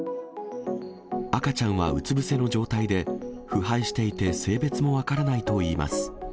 赤ちゃんはうつ伏せの状態で、腐敗していて性別も分からないといいます。